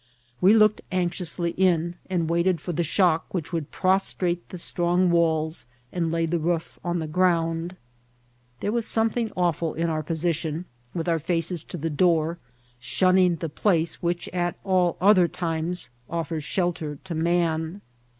We looked anxiously in, and waited for the shock which should prostrate the strong walls and lay the roof on the ground. There was something awfiil in our position, with our feces to the door, shunning the place which at all other times offers shelter to man.